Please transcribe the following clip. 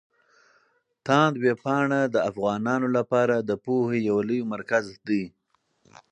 تاند ویبپاڼه د افغانانو لپاره د پوهې يو لوی مرکز دی.